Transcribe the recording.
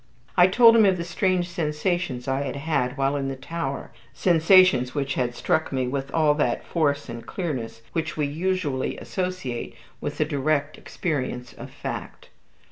I told him of the strange sensations I had had while in the tower sensations which had struck me with all that force and clearness which we usually associate with a direct experience of fact.